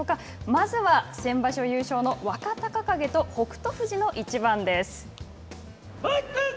まずは先場所優勝の若隆景と北勝富士の一番です。